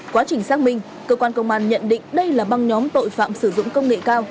quá trình xác minh cơ quan công an nhận định đây là băng nhóm tội phạm sử dụng công nghệ cao